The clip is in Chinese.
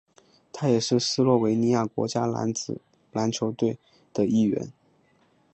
他也是斯洛维尼亚国家男子篮球队的一员。